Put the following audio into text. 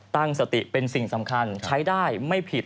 ตั้งสติเป็นสิ่งสำคัญใช้ได้ไม่ผิด